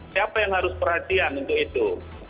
siapa yang harus perhatian untuk itu